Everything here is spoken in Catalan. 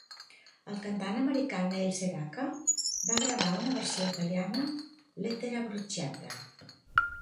El cantant americà Neil Sedaka va gravar una versió italiana, "Lettera bruciata".